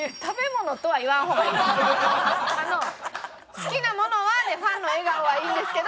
「好きなものは？」で「ファンの笑顔」はいいんですけど。